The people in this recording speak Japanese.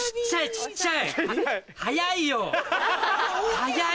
小っちゃい？